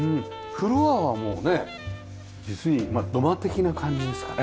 フロアはもうね実にまあ土間的な感じですかね。